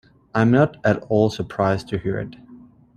I am not at all surprised to hear it.